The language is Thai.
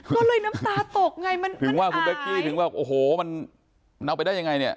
ก็เลยน้ำตาตกไงมันถึงว่าคุณเป๊กกี้ถึงแบบโอ้โหมันเอาไปได้ยังไงเนี่ย